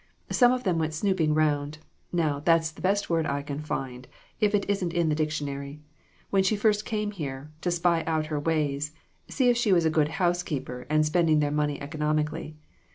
Some of them went snooping round now that's the best word I can find, if it isn't in the dictionary when she first came here, to spy out her ways, see if she was a good housekeeper, and spending their money economically.